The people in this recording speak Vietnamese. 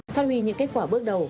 phát huy những kết quả bước đầu